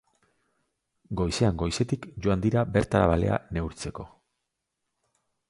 Goizean goizetik joan dira bertara balea neurtzeko.